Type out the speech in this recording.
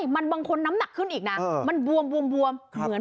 มันบางคนน้ำหนักขึ้นอีกนะมันบวมเหมือน